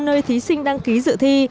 nơi thí sinh đăng ký dự thi